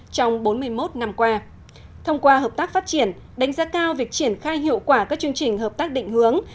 trong bốn mươi một năm qua thông qua hợp tác phát triển đánh giá cao việc triển khai hiệu quả các chương trình hợp tác định hướng